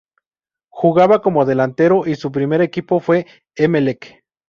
Jugaba de delantero y su primer equipo fue Emelec.